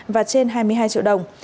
và trên hai mươi hai triệu đồng